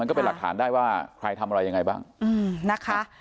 ก็เป็นหลักฐานได้ว่าใครทำอะไรยังไงบ้างนะคะ